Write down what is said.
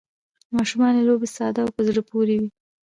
د ماشومانو لوبې ساده او په زړه پورې وي.